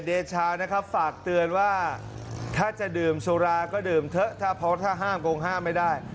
เดชานะครับฝากเตือนว่าถ้าจะดื่มสุราก็ดื่มเถอะถ้าเพราะถ้าห้ามคงห้ามไม่ได้